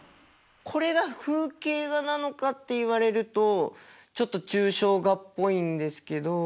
これが風景画なのかって言われるとちょっと抽象画っぽいんですけど。